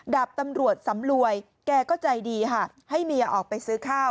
ดาบตำรวจสำรวยแกก็ใจดีค่ะให้เมียออกไปซื้อข้าว